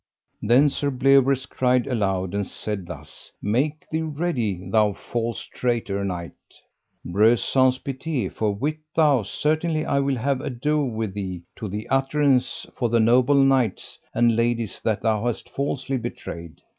Then Sir Bleoberis cried aloud and said thus: Make thee ready thou false traitor knight, Breuse Saunce Pité, for wit thou certainly I will have ado with thee to the utterance for the noble knights and ladies that thou hast falsely betrayed.